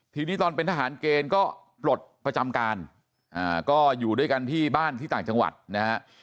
ทีนี้ตอนเป็นทหารเกณฑ์ก็ปลดประจำการก็อยู่ด้วยกันที่บ้านที่ต่างจังหวัดนะฮะ